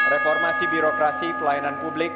reformasi birokrasi pelayanan publik